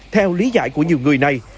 theo lý giải của nhiều người này